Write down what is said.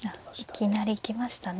いきなり行きましたね。